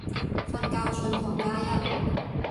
瞓覺信徒加一